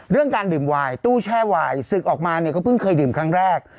เรื่องการดื่มวายตู้แช่วายศึกออกมาเนี่ยก็เพิ่งเคยดื่มครั้งแรก